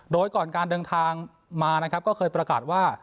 โดยก่อนการเดินทางมานะครับก็เคยประกาศว่า